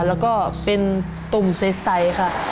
แล้วก็เป็นตุ่มใสค่ะ